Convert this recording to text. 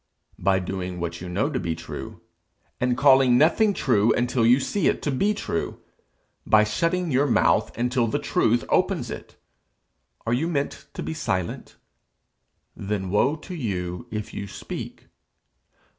By doing what you know to be true, and calling nothing true until you see it to be true; by shutting your mouth until the truth opens it. Are you meant to be silent? Then woe to you if you speak.